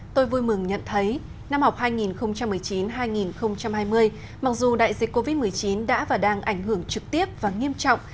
tôi vui mừng nhận thấy năm học hai nghìn một mươi chín hai nghìn hai mươi mặc dù đại dịch covid một mươi chín đã và đang ảnh hưởng trực tiếp và nghiêm trọng